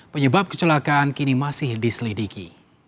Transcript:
penyebab kecelakaan kini masih diselidiki